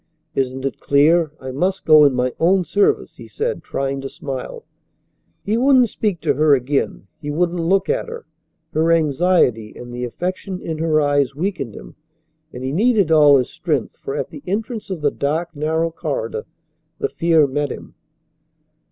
"Isn't it clear I must go in my own service?" he said, trying to smile. He wouldn't speak to her again. He wouldn't look at her. Her anxiety and the affection in her eyes weakened him, and he needed all his strength, for at the entrance of the dark, narrow corridor the fear met him.